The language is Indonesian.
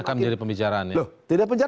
akan menjadi pembicaraan ya